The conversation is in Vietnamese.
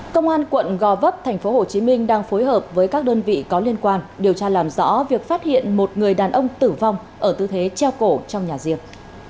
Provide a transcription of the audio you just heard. công an quận gò vấp tp hcm đang phối hợp với các đơn vị có liên quan điều tra làm rõ việc phát hiện một người đàn ông tử vong ở tư thế treo cổ trong nhà riêng